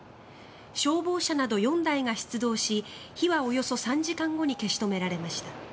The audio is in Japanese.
消防車など４台が出動し火はおよそ３時間後に消し止められました。